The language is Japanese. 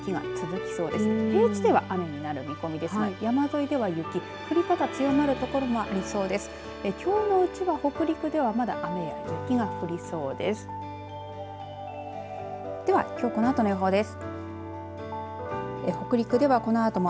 きょうのうちは北陸ではまだ雨や雪が降りそうです。